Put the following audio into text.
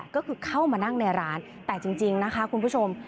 ก็คือเข้ามานั่งในร้านแต่จริงนะคะคุณผู้ชม